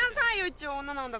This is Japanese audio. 一応女なんだから。